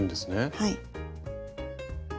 はい。